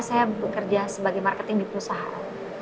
saya bekerja sebagai marketing di perusahaan